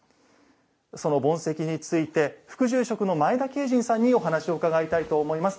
その盆石について副住職の前田景尋さんにお話を伺いたいと思います。